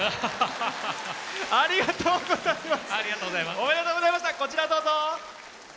ありがとうございます。